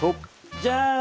じゃん！